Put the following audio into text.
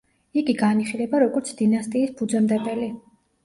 იგი განიხილება, როგორც დინასტიის ფუძემდებელი.